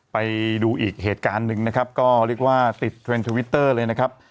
ไปดูอีกเหตุการณ์หนึ่งนะครับก็เรียกว่าติดเทรนด์ทวิตเตอร์เลยนะครับ